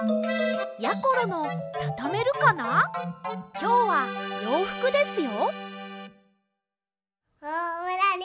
きょうはようふくですよ。